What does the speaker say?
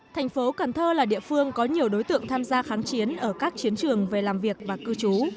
thành phố cần thơ là địa phương có nhiều đối tượng tham gia kháng chiến ở các chiến trường về làm việc và cư trú